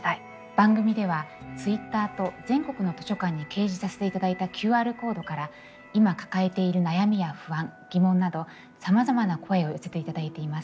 番組ではＴｗｉｔｔｅｒと全国の図書館に掲示させていただいたＱＲコードから今抱えている悩みや不安疑問などさまざまな声を寄せていただいています。